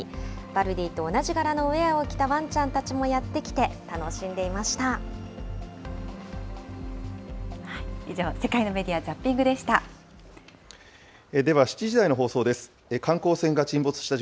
バルディと同じ柄のウエアを着たワンちゃんたちもやって来て、楽しんでいました。